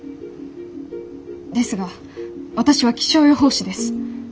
ですが私は気象予報士です。